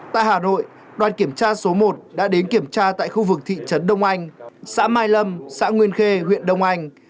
tại hà nội đoàn kiểm tra số một đã đến kiểm tra tại khu vực thị trấn đông anh xã mai lâm xã nguyên khê huyện đông anh